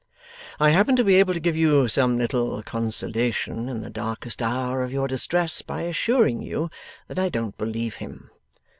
I happen to be able to give you some little consolation in the darkest hour of your distress, by assuring you that I don't believe him.